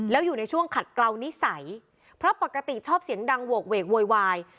แล้วอยู่ในช่วงขัดเกลานิสัยเพราะปกติชอบเสียงดังโหกเวกโวยวาย